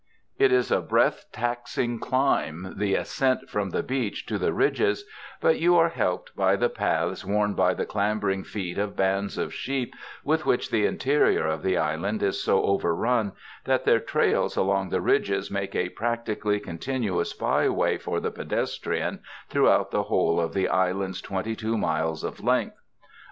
It is a breath taxing climb, the ascent from the beach to the ridges, but you are helped by the paths worn by the clambering feet of bands of sheep with which the interior of the island is so over run that their trails along the ridges make a practically con tinuous by way for the pedestrian throughout the whole of the island's twenty two miles of length.